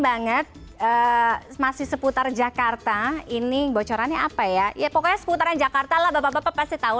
banget masih seputar jakarta ini bocorannya apa ya ya pokoknya seputaran jakarta lah bapak bapak pasti tahu